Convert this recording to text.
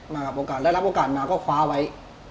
มากับโอกาสได้รับโอกาสมาก็คว้าไว้